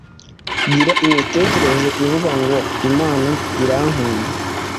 Gira imitekerereze ivuga ngo "Imana irankunda".